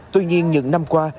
tuy nhiên những năm qua